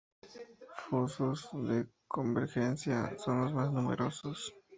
Fosos de convergencia: son los más numerosos.